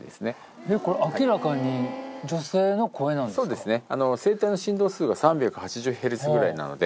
そうですね。